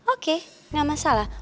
oke gak masalah